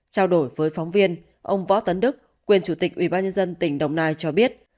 trao đổi với phóng viên ông võ tấn đức quyền chủ tịch ubnd tỉnh đồng nai cho biết